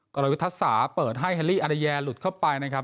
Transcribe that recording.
กรวิทธศาสตร์เปิดให้อดเยียร์หลุดเข้าไปนะครับ